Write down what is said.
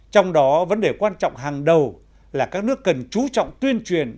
trong đó vấn đề quan trọng hàng đầu là các nước cần chú trọng tuyên truyền